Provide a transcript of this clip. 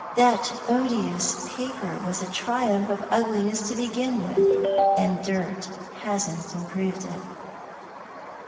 " That odious paper was a triumph of ugliness to begin with, and dirt hasn't improved it."